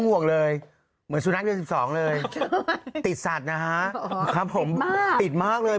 ตอนนี้คือไม่เข้าใจว่าคุณแม่ทำไมติดมาก